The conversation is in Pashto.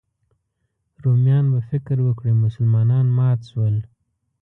رومیان به فکر وکړي مسلمانان مات شول.